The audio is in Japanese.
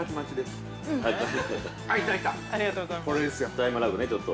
◆タイムラグね、ちょっと。